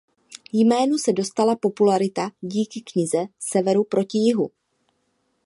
Jménu se dostala popularita díky knize Severu proti Jihu.